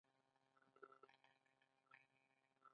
آیا د ناوې ډولۍ په درناوي نه وړل کیږي؟